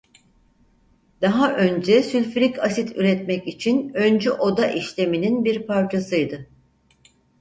Daha önce sülfürik asit üretmek için öncü oda işleminin bir parçasıydı.